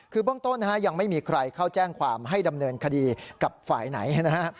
คือเบื้องต้นนะฮะยังไม่มีใครเข้าแจ้งความให้ดำเนินคดีกับฝ่ายไหนนะฮะ